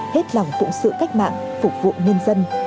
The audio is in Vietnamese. hết lòng phụng sự cách mạng phục vụ nhân dân